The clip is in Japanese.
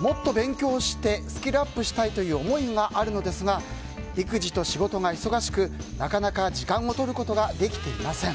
もっと勉強してスキルアップしたいという思いがあるのですが育児と仕事が忙しくなかなか時間をとることができていません。